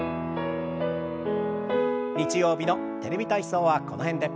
日曜日の「テレビ体操」はこの辺で。